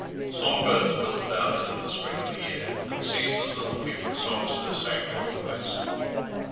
Song birds built about it in the spring of the year, and Cæsar's little human songster sang there always.